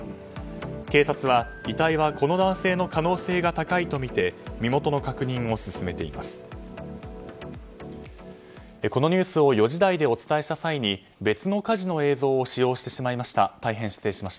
警察は、遺体はこの男性の可能性が高いとみて身元の確認を進めています。